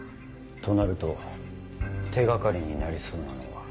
となると手掛かりになりそうなのは。